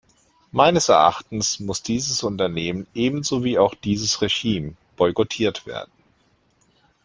Meines Erachtens muss dieses Unternehmen ebenso wie auch dieses Regime boykottiert werden.